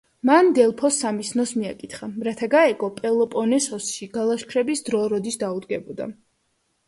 მან დელფოს სამისნოს მიაკითხა, რათა გაეგო, პელოპონესოსში გალაშქრების დრო როდის დაუდგებოდა.